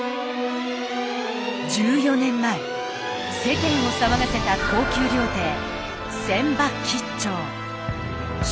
１４年前世間を騒がせた高級料亭船場兆。